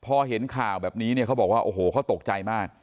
พอเห็นข่าวแบบนี้เนี่ยเขาบอกว่าโอ้โหเขาตกใจมาก